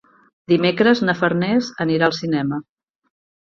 Dimecres na Farners anirà al cinema.